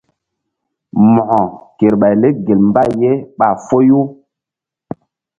Mo̧ko kerɓay lek gel mbay ɓa foyu.